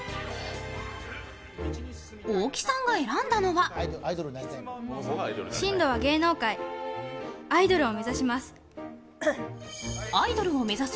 大木さんが選んだのは進路は芸能界、アイドルを目指します。